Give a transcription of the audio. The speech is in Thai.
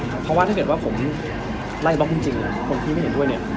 เพราะว่าถ้าเกิดว่าผมไล่บล็อกจริงคนที่ไม่เห็นด้วยเนี่ย